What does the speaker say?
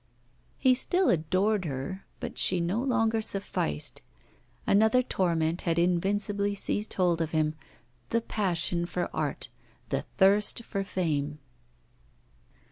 He still adored her, but she no longer sufficed. Another torment had invincibly seized hold of him the passion for art, the thirst for fame.